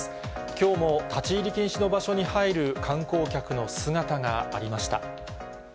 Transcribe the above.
きょうも、立ち入り禁止の場所に入る観光客の姿がありました。